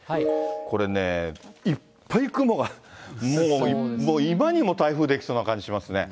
これね、いっぱい雲が、もう今にも台風出来そうな感じしますね。